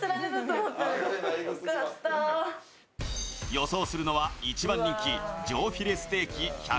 予想するのは一番人気上フィレステーキ１５０ｇ